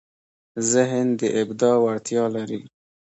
ذهن د ابداع وړتیا لري.